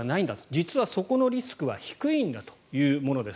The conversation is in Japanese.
実はそこのリスクは低いんだというものです。